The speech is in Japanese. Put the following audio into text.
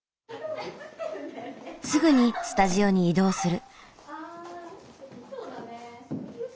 すぐにスタジオに移動する。